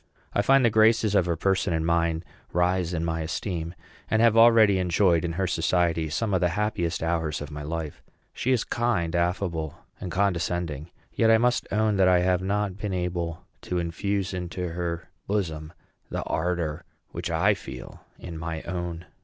I find the graces of her person and mind rise in my esteem, and have already enjoyed in her society some of the happiest hours of my life. She is kind, affable, and condescending; yet I must own that I have not been able to infuse into her bosom the ardor which I feel in my own.